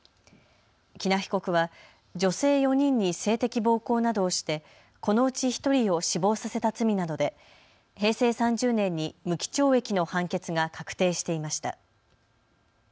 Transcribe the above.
喜納被告は女性４人に性的暴行などをしてこのうち１人を死亡させた罪などで平成３０年に無期懲役の判決が確定していました。